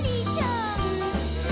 「ん？！